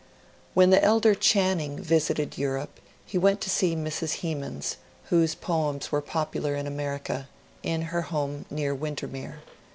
When the elder Channing visited Europe he went to see Mrs. Hemans, whose poems were popular in America, in her home near Windermere.